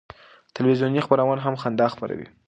تلویزیوني خپرونه هم خندا خپروي.